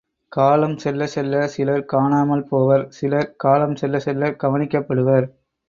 காலம் செல்லச் செல்ல சிலர் காணாமல் போவர் சிலர் காலம் செல்ல செல்ல கவனிக்கப்படுவர்.